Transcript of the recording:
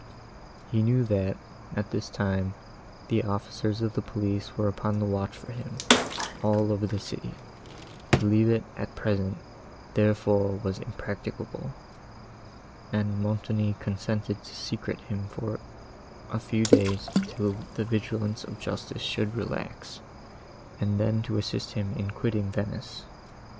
He knew, that, at this time, the officers of the police were upon the watch for him, all over the city; to leave it, at present, therefore, was impracticable, and Montoni consented to secrete him for a few days till the vigilance of justice should relax, and then to assist him in quitting Venice.